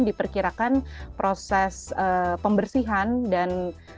diperkirakan proses pembersihan dan